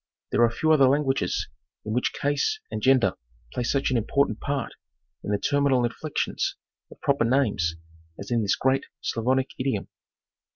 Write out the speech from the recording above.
There are few other languages in which case and gender play such an important part in the terminal inflections of proper names as in this great Slavonic idiom.